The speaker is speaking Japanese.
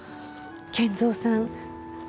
賢三さん